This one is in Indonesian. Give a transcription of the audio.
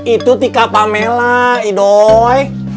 itu tika pamela idoi